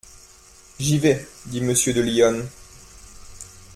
J'y vais, dit Monsieur de Lyonne.